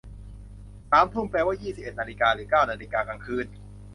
สามทุ่ม แปลว่ายี่สิบเอ็ดนาฬิกา หรือเก้านาฬิกากลางคืน